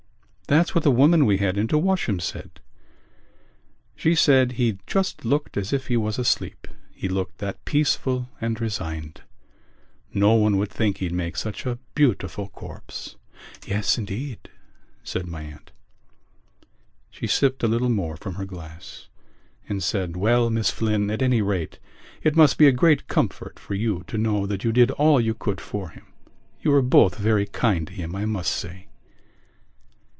"That's what the woman we had in to wash him said. She said he just looked as if he was asleep, he looked that peaceful and resigned. No one would think he'd make such a beautiful corpse." "Yes, indeed," said my aunt. She sipped a little more from her glass and said: "Well, Miss Flynn, at any rate it must be a great comfort for you to know that you did all you could for him. You were both very kind to him, I must say."